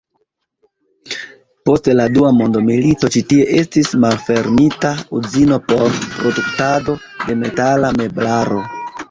Post la dua mondmilito ĉi tie estis malfermita uzino por produktado de metala meblaro.